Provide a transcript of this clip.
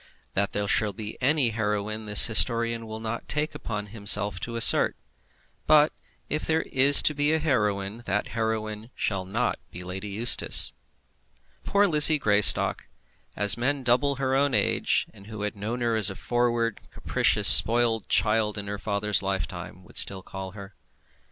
That there shall be any heroine the historian will not take upon himself to assert; but if there be a heroine, that heroine shall not be Lady Eustace. Poor Lizzie Greystock! as men double her own age, and who had known her as a forward, capricious, spoilt child in her father's lifetime, would still call her.